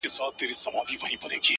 ځكه د كلي مشر ژوند د خواركي ورانوي،